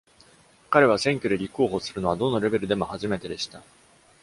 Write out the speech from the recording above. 彼は選挙で立候補するのはどのレベルでも初めてでした。